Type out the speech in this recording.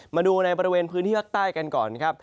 มาดูในบริเวณพื้นที่ภาคใต้กันก่อนครับ